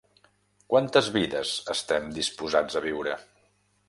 ¿quantes vides estem disposats a viure?